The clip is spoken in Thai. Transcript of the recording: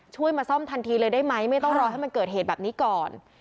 มาซ่อมทันทีเลยได้ไหมไม่ต้องรอให้มันเกิดเหตุแบบนี้ก่อน